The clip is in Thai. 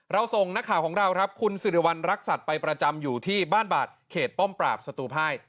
ส่งนักข่าวของเราครับคุณสิริวัณรักษัตริย์ไปประจำอยู่ที่บ้านบาดเขตป้อมปราบสตูภาย